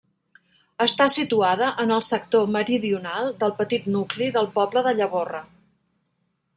Està situada en el sector meridional del petit nucli del poble de Llavorre.